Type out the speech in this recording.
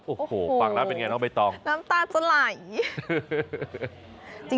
โอ้โฮฟังนะเป็นอย่างไรนะอ๋อใบตองน้ำตาจะไหล